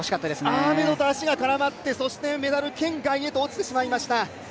アーメドと足が絡まって、そしてメダル圏外へと落ちてしまいした。